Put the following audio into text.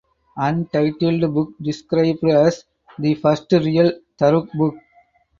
Untitled book described as "the first real Tarok book".